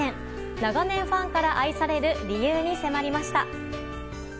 長年ファンから愛される理由に迫りました。